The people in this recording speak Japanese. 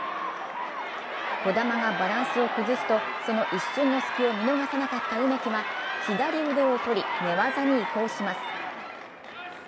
児玉がバランスを崩すとその一瞬の隙を見逃さなかった梅木は左腕を取り、寝技に移行します。